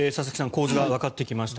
構図はわかってきました。